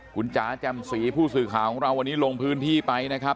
คุณจ๋าแจ่มสีผู้สื่อข่าวของเราวันนี้ลงพื้นที่ไปนะครับ